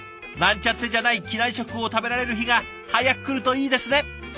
なんちゃってじゃない機内食を食べられる日が早く来るといいですね。